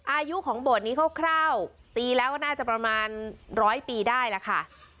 อายุของโบสถ์นี้คร่าวตีแล้วก็น่าจะประมาณร้อยปีได้แล้วค่ะ